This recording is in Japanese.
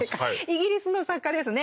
イギリスの作家ですね